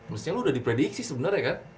maksudnya lo udah di prediksi sebenarnya kan